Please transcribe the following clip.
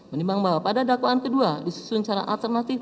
menimbang bahwa pada dakwaan kedua disusun secara alternatif